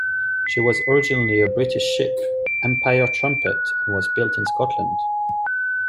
She was originally a British ship, "Empire Trumpet", and was built in Scotland.